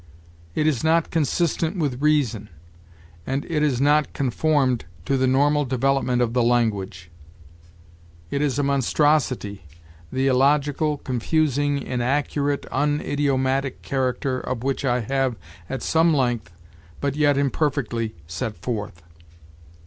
It is not 'consistent with reason'; and it is not 'conformed to the normal development of the language.' It is 'a monstrosity, the illogical, confusing, inaccurate, unidiomatic character of which I have at some length, but yet imperfectly, set forth.'